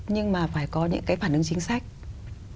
nhưng mà phải có những cái phản ứng chính sách